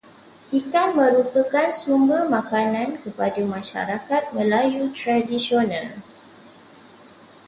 Ikan merupakan sumber makanan kepada masyarakat Melayu tradisional.